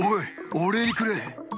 おれにくれ！